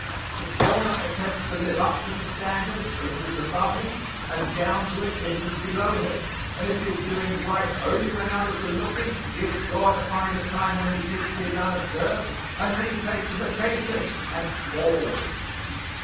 The former attempts to live up to the standard, if it is above him, and down to it, if it is below him and if he is doing right only when others are looking he is sure to find a time when he thinks he is unobserved, and then he takes a vacation and falls.